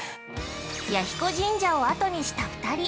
◆彌彦神社をあとにした２人。